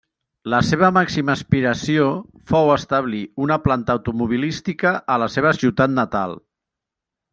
La seva màxima aspiració fou establir una planta automobilística a la seva ciutat natal.